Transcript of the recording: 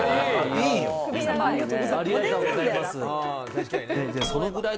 奥様ありがとうございます。